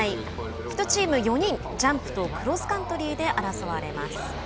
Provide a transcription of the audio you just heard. １チーム４人ジャンプとクロスカントリーで争われます。